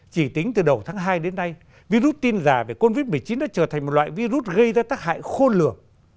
chỉ tính từ đầu tháng hai đến nay virus tin giả về covid một mươi chín đã trở thành một loại virus gây ra tác hại khôn lường